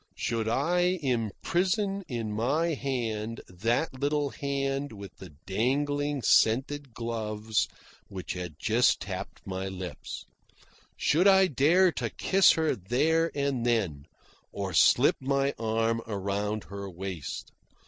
Should I imprison in my hand that little hand with the dangling, scented gloves which had just tapped my lips? Should I dare to kiss her there and then, or slip my arm around her waist?